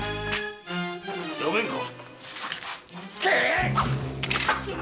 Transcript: やめんか！